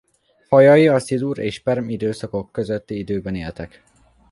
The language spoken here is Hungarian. Fajai a szilur és a perm időszakok közötti időben éltek.